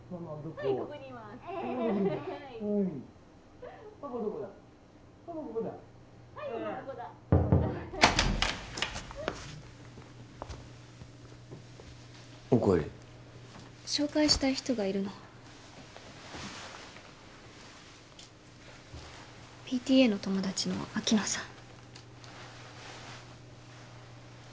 ここだお帰り紹介したい人がいるのＰＴＡの友達の秋野さん